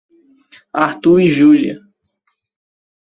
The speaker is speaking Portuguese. Arthur e Julia